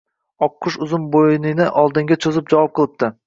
Oqqush uzun bo‘ynini oldinga cho‘zib javob qilibdi: